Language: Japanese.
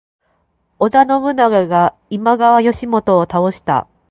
織田信長が今川義元を倒した。